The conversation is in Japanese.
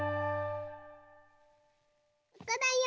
ここだよ